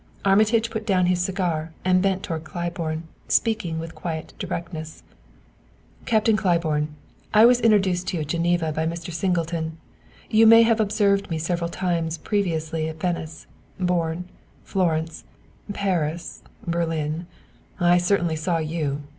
Armitage put down his cigar and bent toward Claiborne, speaking with quiet directness. "Captain Claiborne, I was introduced to you at Geneva by Mr. Singleton. You may have observed me several times previously at Venice, Borne, Florence, Paris, Berlin. I certainly saw you!